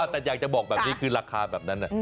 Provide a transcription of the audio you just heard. แต่อยากจะบอกแบบนี้คือราคาแบบนั้น